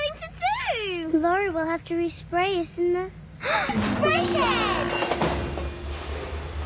あっ。